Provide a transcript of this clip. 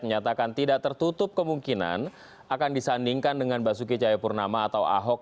menyatakan tidak tertutup kemungkinan akan disandingkan dengan basuki cahayapurnama atau ahok